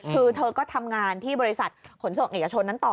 คือเธอก็ทำงานที่บริษัทขนส่งเอกชนนั้นต่อ